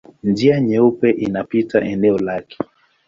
Njia Nyeupe inapita eneo lake.